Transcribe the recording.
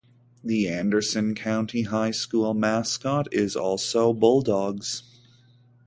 The Anderson County High School mascot is also Bulldogs.